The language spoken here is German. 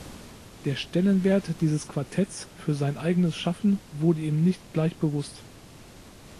Der Stellenwert dieses Quartetts für sein eigenes Schaffen wurde ihm nicht gleich bewusst.